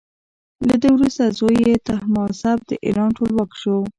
له ده وروسته زوی یې تهماسب د ایران ټولواک شو.